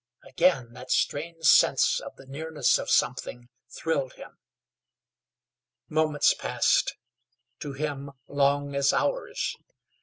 Again, that strange sense of the nearness of something thrilled him. Moments, passed to him long as hours.